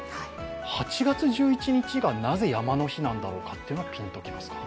８月１１日がなぜ山の日なんだろうというのは、ピンと来ますか。